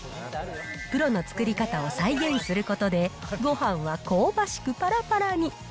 プロの作り方を再現することで、ごはんは香ばしくぱらぱらに。